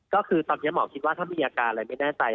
ก็คือตอนนี้หมอคิดว่าถ้ามีอาการอะไรไม่แน่ใจ